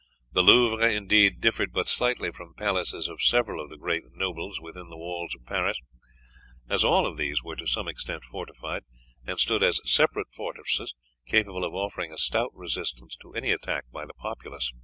The Louvre, indeed, differed but slightly from palaces of several of the great nobles within the walls of Paris, as all of these were to some extent fortified, and stood as separate fortresses capable of offering a stout resistance to any attack by the populace.